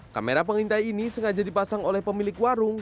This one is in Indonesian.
kamera pengintai ini sengaja dipasang oleh pemilik warung